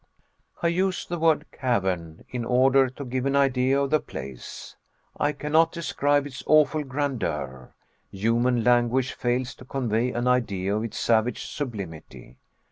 I use the word "cavern" in order to give an idea of the place. I cannot describe its awful grandeur; human language fails to convey an idea of its savage sublimity.